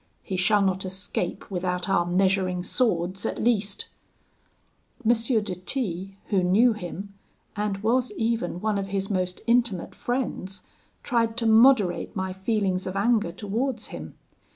He shall not escape without our measuring swords at least.' M. de T , who knew him, and was even one of his most intimate friends, tried to moderate my feelings of anger towards him.